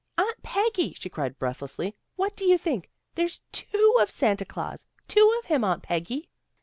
" Aunt Peggy," she cried breathlessly, " What do you think? There's two of Santa Claus. Two of him, Aunt Peggy."